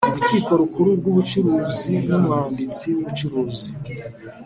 Rukiko Rukuru rw Ubucuruzi n Umwanditsi mubucuruzi